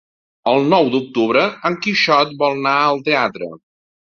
El nou d'octubre en Quixot vol anar al teatre.